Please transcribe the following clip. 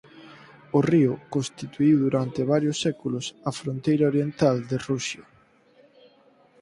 O río constituíu durante varios séculos a fronteira oriental de Rusia.